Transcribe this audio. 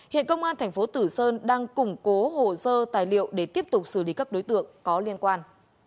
hiện công an thành phố tử sơn đang củng cố hồ sơ tài liệu để tiếp tục xử lý các đối tượng có liên quan